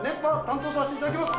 担当させていただきます